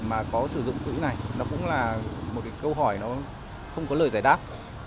mà có sử dụng quỹ này đó cũng là một câu hỏi nó không có lời giải đáp